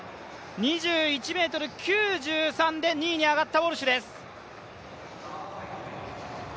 ２１ｍ９３で２位に上がったウォルシュです。